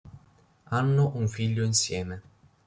Hanno un figlio insieme.